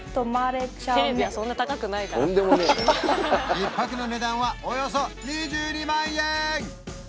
１泊の値段はおよそ２２万円